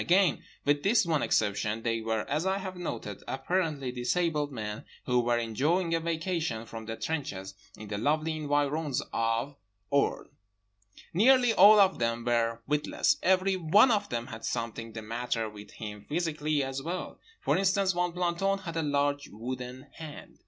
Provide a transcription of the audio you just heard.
Again with this one exception, they were (as I have noted) apparently disabled men who were enjoying a vacation from the trenches in the lovely environs of Orne. Nearly all of them were witless. Every one of them had something the matter with him physically as well. For instance, one planton had a large wooden hand.